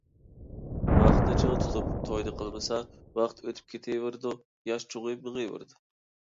ۋاقىتنى چىڭ تۇتۇپ توينى قىلمىسا، ۋاقىت ئۆتۈپ كېتىۋېرىدۇ، ياش چوڭىيىپ مېڭىۋېرىدۇ.